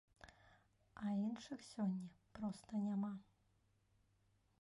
А іншых сёння проста няма!